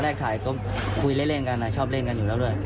ถ่ายก็คุยเล่นกันชอบเล่นกันอยู่แล้วด้วย